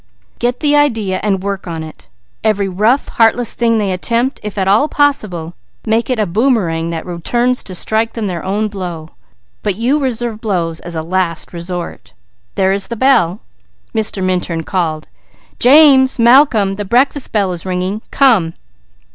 "Get the idea and work on it. Every rough, heartless thing they attempt, if at all possible, make it a boomerang to strike them their own blow; but you reserve blows as a last resort. There is the bell." Mr. Minturn called: "Boys! The breakfast bell is ringing. Come!"